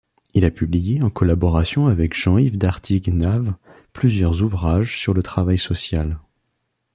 Il a publié en collaboration avec Jean-Yves Dartiguenave plusieurs ouvrages sur le travail social.